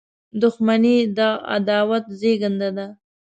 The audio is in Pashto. • دښمني د عداوت زیږنده ده.